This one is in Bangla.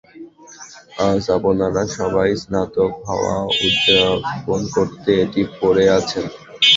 আজ আপনারা সবাই স্নাতক হওয়া উদযাপন করতে এটি পরে আছেন।